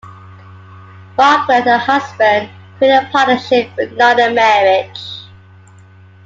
Margaret and her husband created a partnership, but not a marriage.